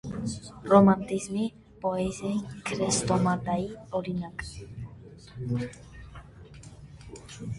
Ռոմանտիզմի պոեզիայի քրեստոմատիայի օրինակ։